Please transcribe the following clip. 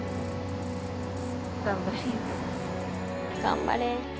頑張れ。